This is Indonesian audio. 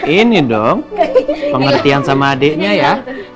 ini dong pengertian sama adiknya ya